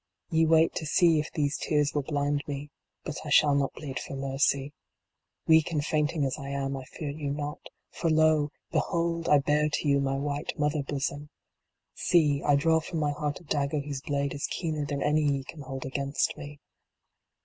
Ye wait to see if these tears will blind me. But I shall not plead for mercy. Weak and fainting as I am, I fear you not For, lo ! behold ! I bare to you my white mother bosom ! See, I draw from my heart a dagger whose blade is keener than any ye can hold against me.